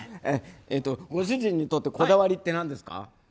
ご主人にとってこだわりって何ですか？